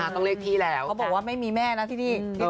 ต้องเรียกพี่แล้ว